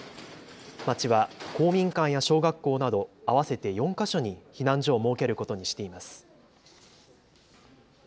町は公民館や小学校など合わせて４か所に避難所を設けることにしています。